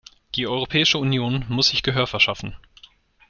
Die Europäische Union muss sich Gehör verschaffen.